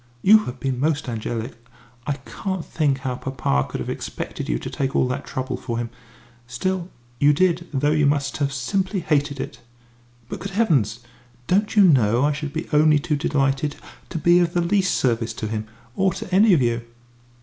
You have been most angelic. I can't think how papa could have expected you to take all that trouble for him still, you did, though you must have simply hated it." "But, good heavens! don't you know I should be only too delighted to be of the least service to him or to any of you?"